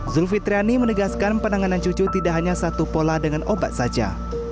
zulfitriani menegaskan penanganan cucu tidak hanya satu pola dengan obat saja